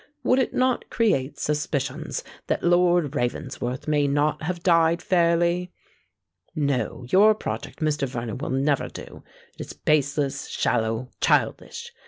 would it not create suspicions that Lord Ravensworth may not have died fairly? No—your project, Mr. Vernon, will never do: It is baseless—shallow—childish.